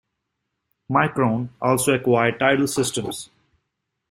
Micron also acquired Tidal Systems.